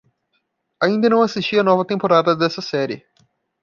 Ainda não assisti a nova temporada dessa série